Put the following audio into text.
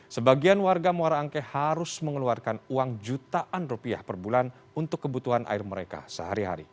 sebagian warga muara angke harus mengeluarkan uang jutaan rupiah per bulan untuk kebutuhan air mereka sehari hari